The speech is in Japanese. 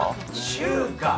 中華。